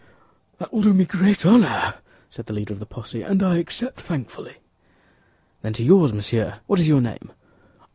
"That will do me great honor," said the leader of the posse, "and I accept thankfully." "Then to yours, monsieur—what is your name?"